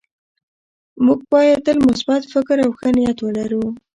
موږ باید تل مثبت فکر او ښه نیت ولرو